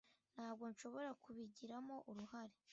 ntabwo nshobora kubigiramo uruhare